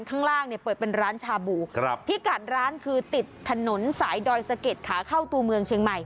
ข้างล่างเนี่ยเปิดเป็นร้านชาบูครับพิกัดร้านคือติดถนนสายดอยสะเก็ดขาเข้าตัวเมืองเชียงใหม่